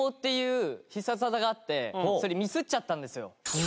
それミスっちゃったんですよ。